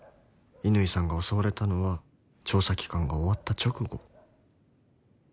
乾さんが襲われたのは調査期間が終わった直後